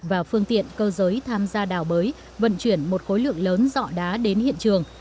và phương tiện cơ giới tham gia đào bới vận chuyển một khối lượng lớn dọ đá đến hiện trường